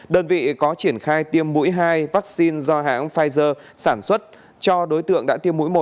đơn vị có triển khai tiêm mũi hai vaccine do hãng pfizer sản xuất cho đối tượng đã tiêm mũi một